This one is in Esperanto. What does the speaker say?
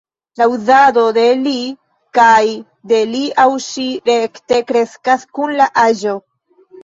La uzado de ”li” kaj de ”li aŭ ŝi” rekte kreskas kun la aĝo.